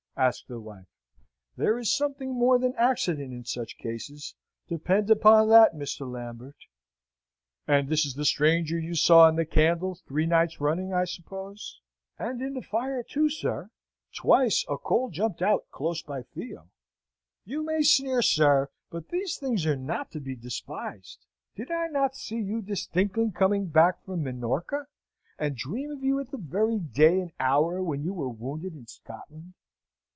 asked the wife. "There is something more than accident in such cases, depend upon that, Mr. Lambert!" "And this was the stranger you saw in the candle three nights running, I suppose?" "And in the fire, too, sir; twice a coal jumped out close by Theo. You may sneer, sir, but these things are not to be despised. Did I not see you distinctly coming back from Minorca, and dream of you at the very day and hour when you were wounded in Scotland?"